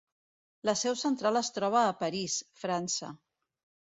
La seu central es troba a París, França.